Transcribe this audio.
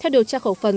theo điều tra khẩu phần